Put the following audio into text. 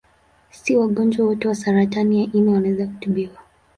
Si wagonjwa wote wa saratani ya ini wanaweza kutibiwa.